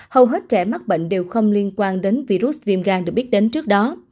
hầu hết trẻ mắc bệnh đều không liên quan đến virus viêm gan được biết đến trước đó